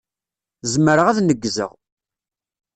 Zemreɣ ad neggzeɣ.